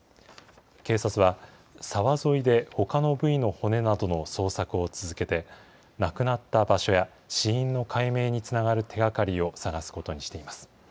警察は、沢沿いでほかの部位の骨などの捜索を続けて、亡くなった場所や、死因の解明につながる手がかりを捜すことにしています。